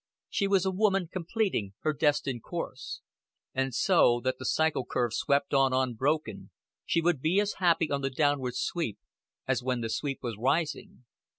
She was a woman completing her destined course; and so that the cycle curve swept on unbroken, she would be as happy on the downward sweep as when the sweep was rising.